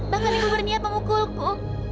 bahkan ibu berniat memukulku